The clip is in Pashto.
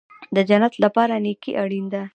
د جنت لپاره نیکي اړین ده